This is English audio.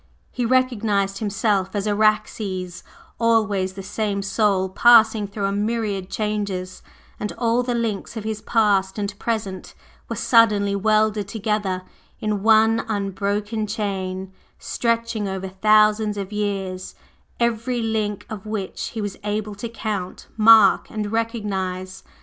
He recognized himself as Araxes always the same Soul passing through a myriad changes, and all the links of his past and present were suddenly welded together in one unbroken chain, stretching over thousands of years, every link of which he was able to count, mark, and recognize.